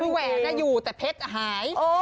คือแหวนอยู่แต่เพชรหาย